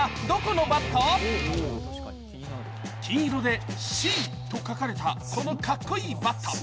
金色で「Ｃ」と書かれたこのかっこいいバット。